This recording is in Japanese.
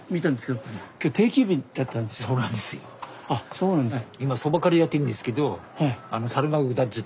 そうなんですよ。